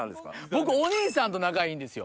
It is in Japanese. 僕お兄さんと仲いいんですよ。